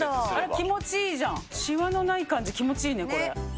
気持ちいいじゃん、しわのない感じ、気持ちいいね、これ。